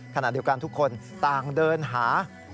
ขณะเดียวกันทุกคนต่างเดินหา